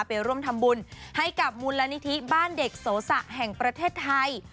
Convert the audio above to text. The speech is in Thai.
ไปร่วมทำบุญให้กับมูลนิธิบ้านเด็กโสสะแห่งประเทศไทย